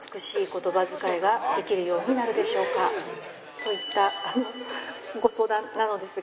といったご相談なのですが。